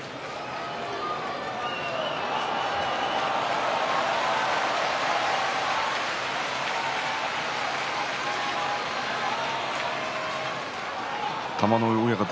拍手玉ノ井親方